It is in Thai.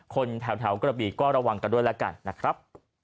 คนแถวกระบีก็ระวังกันด้วยแล้วกันนะครับ